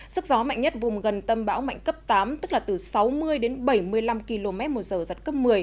sức gió mạnh nhất vùng gần tâm bão mạnh cấp tám tức là từ sáu mươi đến bảy mươi năm km một giờ giật cấp một mươi